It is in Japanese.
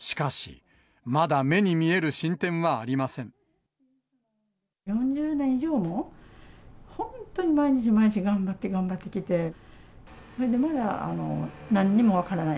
しかし、４０年以上も、本当に毎日毎日、頑張って頑張ってきて、それでまだ、なんにも分からない。